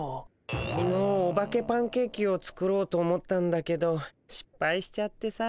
きのうオバケパンケーキを作ろうと思ったんだけどしっぱいしちゃってさ。